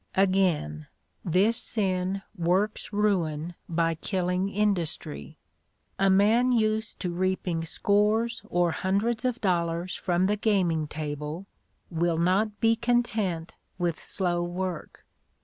Again, this sin works ruin by killing industry. A man used to reaping scores or hundreds of dollars from the gaming table will not be content with slow work.